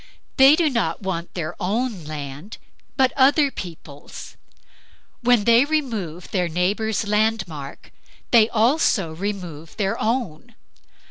They do not want their own land; but other people's. When they remove their neighbor's landmark, they also remove their own.